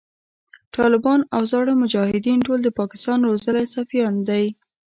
ټالبان او زاړه مجایدین ټول د پاکستان روزلی سفیان دی